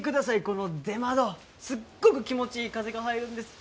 この出窓すっごく気持ちいい風が入るんです